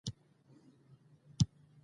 د کور د مينې ځاله ده.